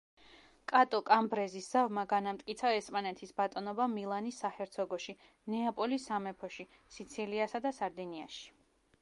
კატო-კამბრეზის ზავმა განამტკიცა ესპანეთის ბატონობა მილანის საჰერცოგოში, ნეაპოლის სამეფოში, სიცილიასა და სარდინიაში.